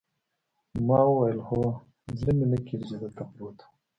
ما وویل: هو، زړه مې نه کېږي چې دلته پروت وم.